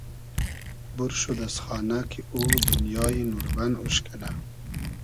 بور شود از خانۂ کی او دونیای نوربئن اوش کئنۂ